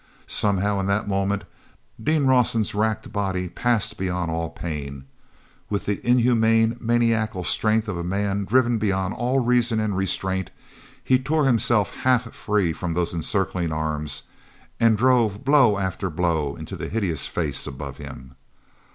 Somehow in that moment Dean Rawson's wracked body passed beyond all pain. With the inhuman, maniacal strength of a man driven beyond all reason and restraint he tore himself half free from those encircling arms and drove blow after blow into the hideous face above him.